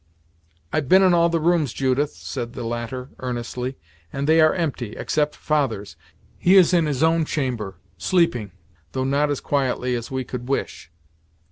"I've been in all the rooms, Judith," said the latter earnestly, "and they are empty, except father's; he is in his own chamber, sleeping, though not as quietly as we could wish."